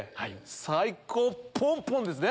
最高ポンポンですね！